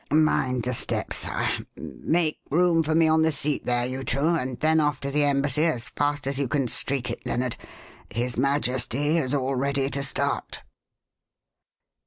Mind the step, Sire. Make room for me on the seat there, you two; and then off to the embassy as fast as you can streak it, Lennard. His Majesty is all ready to start."